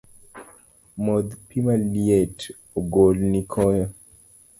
Modh pi maliet ogolni koyo